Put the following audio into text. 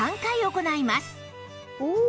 おお！